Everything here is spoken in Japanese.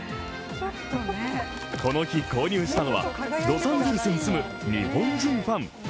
この日、購入したのはロサンゼルスに住む日本人ファン。